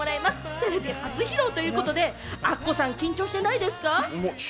テレビ初披露ということで、アッコさん、緊張していないですか？